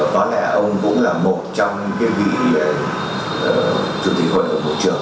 có lẽ ông cũng là một trong những vị chủ tịch hội đồng bộ trưởng